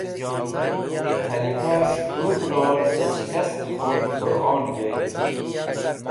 khalif'esh hub ror da shikast khun Quron Joyd